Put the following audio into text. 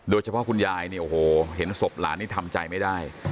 คุณยายเนี่ยโอ้โหเห็นศพหลานนี่ทำใจไม่ได้